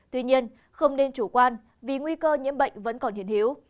tuy nhiên không nên chủ quan vì nguy cơ nhiễm bệnh vẫn còn hiển hiếu